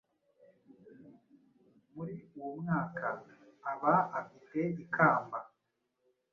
muri uwo mwaka aba afite ikamba